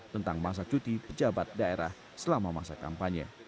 tentang masa cuti pejabat daerah selama masa kampanye